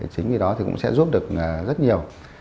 chính vì đó thì cũng sẽ giúp được rất nhiều